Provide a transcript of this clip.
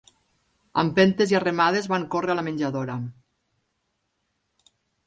A empentes, i a remades, van corre a la menjadora.